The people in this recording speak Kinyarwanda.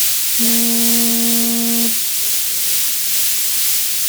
byakozwe hashingiwe ku cyemezo cy’ inama njyanama